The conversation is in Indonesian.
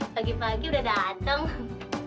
pagi pagi udah dateng